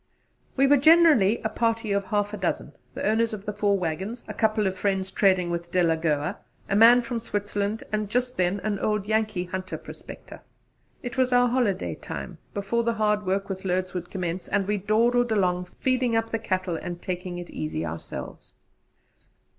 We were generally a party of half a dozen the owners of the four waggons, a couple of friends trading with Delagoa, a man from Swaziland, and just then an old Yankee hunter prospector. It was our holiday time, before the hard work with loads would commence, and we dawdled along feeding up the cattle and taking it easy ourselves.